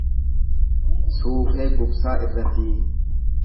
Suufee Gugsaa Irrasii